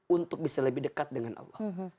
untuk bisa lebih dekat dengan allah